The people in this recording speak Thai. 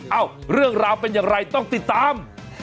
เรื่องราวเป็นอย่างไรต้องติดตาม